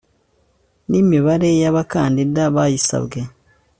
n imibare y abakandida bayisabwe